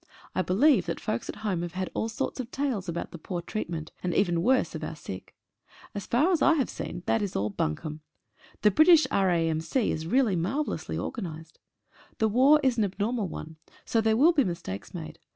I believe that folks at home have had all sorts of tales about the poor treatment, and even worse of our sick. As far as I have seen, that is all bunkum. The British R.A.M.C. is really marvellously organised. The war is an abnormal one, so there will be mistakes made.